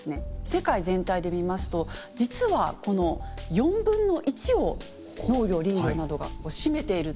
世界全体で見ますと実はこの４分の１を農業・林業などが占めている。